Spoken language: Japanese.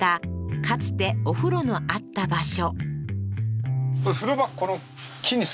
かつてお風呂のあった場所